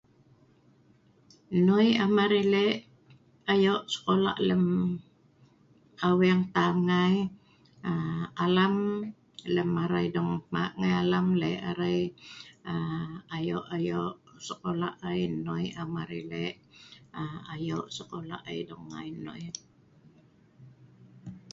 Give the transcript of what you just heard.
Nnoi am arai le' ayo' skola' lem aweeng taam ngai. Aa alam lem arai dong hma' ngai alam le' arai aa ayo'-ayo' skola' ai nnoi am arai le' aa ayo' skola' ai dong ngai nnoi.